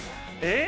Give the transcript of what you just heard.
えっ？